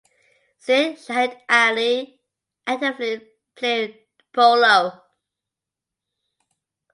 Syed Shahid Ali actively played polo.